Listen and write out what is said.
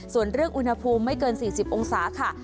ส่วนเรื่องอุณหภูมิไม่เกิน๔๐องศาค่ะ